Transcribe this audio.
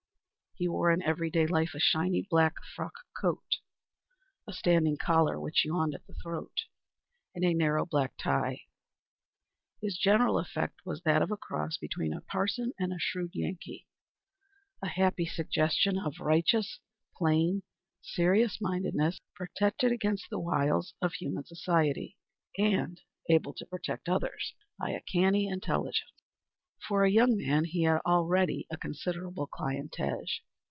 He wore in every day life a shiny, black frock coat, a standing collar, which yawned at the throat, and a narrow, black tie. His general effect was that of a cross between a parson and a shrewd Yankee a happy suggestion of righteous, plain, serious mindedness, protected against the wiles of human society and able to protect others by a canny intelligence. For a young man he had already a considerable clientage.